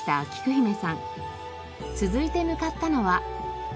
続いて向かったのは。